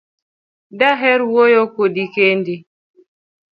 Daher wuoyo Kodi kendi